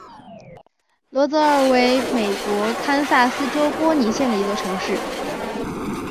罗泽尔为美国堪萨斯州波尼县的一座城市。